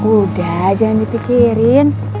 udah jangan dipikirin